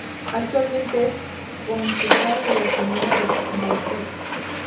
Actualmente es concejal de la comuna de Maipú.